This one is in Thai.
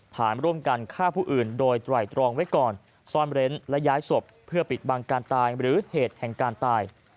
ฐานร่วมกันฆ่าผู้อื่นโดยไตรตรองไว้ก่อนซ่อนเร้นและย้ายศพเพื่อปิดบังการตายหรือเหตุแห่งการตาย